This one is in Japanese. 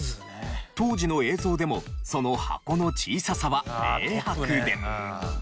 当時の映像でもその箱の小ささは明白で。